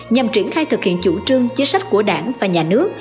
nhằm triển khai thực hiện chủ trương chính sách của đảng và nhà nước